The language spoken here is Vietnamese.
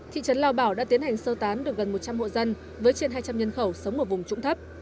thị trấn lao bảo đã tiến hành sơ tán được gần một trăm linh hộ dân với trên hai trăm linh nhân khẩu sống ở vùng trũng thấp